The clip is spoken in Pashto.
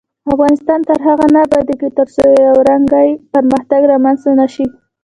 افغانستان تر هغو نه ابادیږي، ترڅو یو رنګی پرمختګ رامنځته نشي.